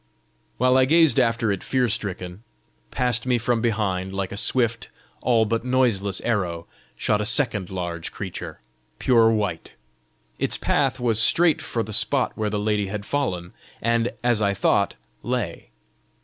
While I gazed after it fear stricken, past me from behind, like a swift, all but noiseless arrow, shot a second large creature, pure white. Its path was straight for the spot where the lady had fallen, and, as I thought, lay.